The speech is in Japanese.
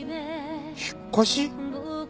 引っ越し？